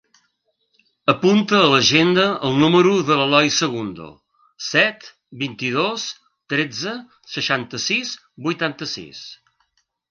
Apunta a l'agenda el número de l'Eloi Segundo: set, vint-i-dos, tretze, seixanta-sis, vuitanta-sis.